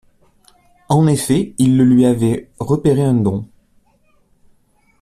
En effet, il le lui avait repéré un don.